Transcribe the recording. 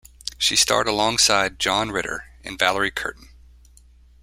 She starred alongside John Ritter and Valerie Curtin.